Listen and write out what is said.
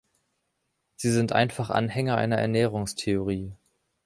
Sie sind einfach Anhänger einer Ernährungstheorie.